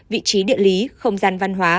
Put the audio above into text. vị trí địa lý không gian văn hóa